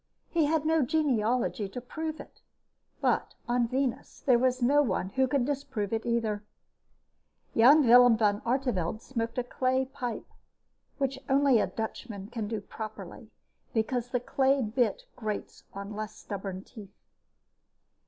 He had no genealogy to prove it, but on Venus there was no one who could disprove it, either. Jan Willem van Artevelde smoked a clay pipe, which only a Dutchman can do properly, because the clay bit grates on less stubborn teeth.